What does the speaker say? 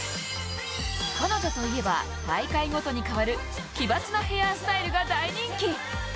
彼女といえば、大会ごとにかわる奇抜なヘアスタイルが大人気。